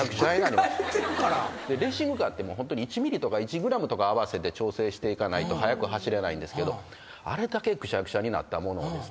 レーシングカーってホントに１ｍｍとか１ｇとか合わせて調整していかないと速く走れないんですけどあれだけグシャグシャになったものをですね